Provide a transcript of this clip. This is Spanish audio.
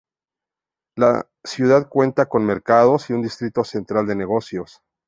La ciudad cuenta con mercados y un distrito central de negocios.